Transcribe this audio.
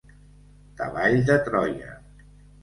Cavall de Troia.